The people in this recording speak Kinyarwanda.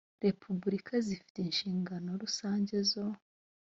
repubulika zifite inshingano rusange zo